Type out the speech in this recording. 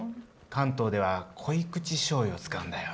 関東では、濃い口しょうゆを使うんだよ。